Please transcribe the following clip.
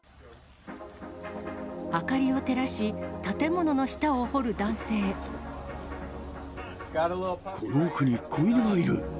明かりを照らし、この奥に子犬がいる。